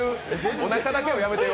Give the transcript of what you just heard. おなかだけはやめてよ。